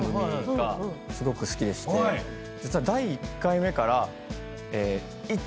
実は第１回目から。